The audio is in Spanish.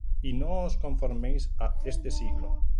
Y no os conforméis á este siglo;